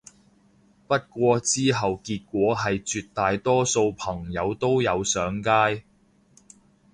不過之後結果係絕大多數朋友都有上街